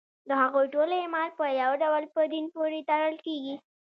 د هغوی ټول اعمال په یو ډول په دین پورې تړل کېږي.